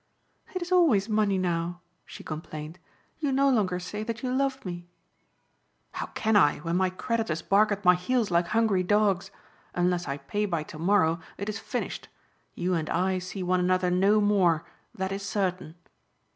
"It is always money now," she complained. "You no longer say that you love me." "How can I when my creditors bark at my heels like hungry dogs? Unless I pay by to morrow it is finished. You and I see one another no more, that is certain."